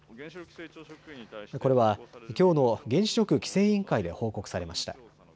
これはきょうの原子力規制委員会で報告されました。